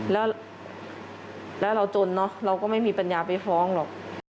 แล้วเราจนเนอะเราก็ไม่มีปัญญาไปฟ้องหรอก